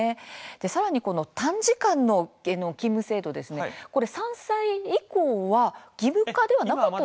さらに短時間の勤務制度、３歳以降は義務化ではなかったんですか。